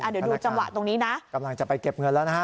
เดี๋ยวดูจังหวะตรงนี้นะกำลังจะไปเก็บเงินแล้วนะฮะ